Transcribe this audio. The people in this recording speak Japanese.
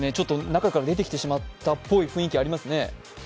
中から出てきてしまったっぽい雰囲気ありますね。